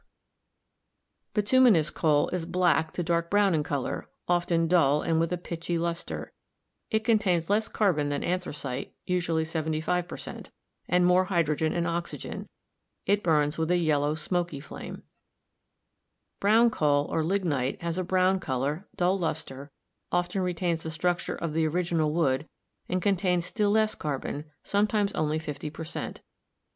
262 GEOLOGY Bituminous coal is black to dark brown in color, often dull and with a pitchy luster ; it contains less carbon than anthracite (usually 75 per cent.) and more hydrogen and oxygen ; it burns with a yellow smoky flame. Brown coal, or lignite, has a brown color, dull luster, often retains the structure of the original wood and contains still less car bon, sometimes only 50 per cent.